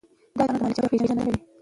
دا لیکنه د مالي چارو پیژندنه کوي.